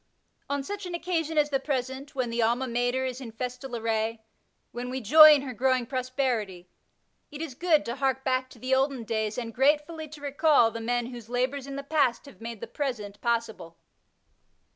On such an occasion as the present, when the Alma Mater is in festal array, when we joy in her growing prosperity, it is good to hark back to the olden days and gratefully to recall the men whose labours in the past have made the present possible.